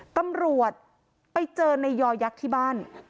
ตำรวจไปเจอในยอยักษ์ที่บ้าน